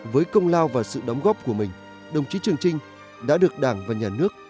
với công lao và sự đóng góp của mình đồng chí trường trinh đã được đảng và nhà nước